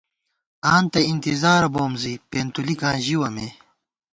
آں تہ انتِظارہ بوم زی ، پېنتُلِکاں ژِوَہ مے